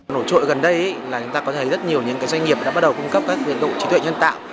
nổ trội gần đây là chúng ta có thấy rất nhiều doanh nghiệp đã bắt đầu cung cấp các viện độ trí tuệ nhân tạo